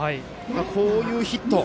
こういうヒット